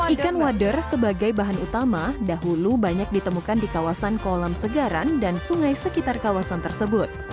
ikan wader sebagai bahan utama dahulu banyak ditemukan di kawasan kolam segaran dan sungai sekitar kawasan tersebut